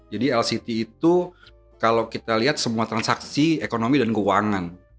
jadi lctt itu kalau kita lihat semua transaksi ekonomi dan keuangan